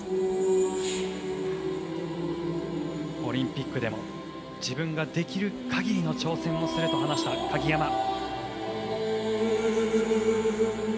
オリンピックでも自分ができる限りの挑戦をすると話した鍵山。